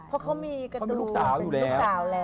เพราะเขามีการ์ตูนเป็นลูกสาวแล้ว